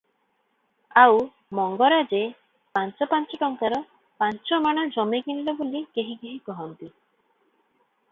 ଆଉ ମଙ୍ଗରାଜେ ପାଞ୍ଚ ପାଞ୍ଚ ଟଙ୍କାରେ ପାଞ୍ଚମାଣ ଜମି କିଣିଲେ ବୋଲି କେହିକେହି କହନ୍ତି ।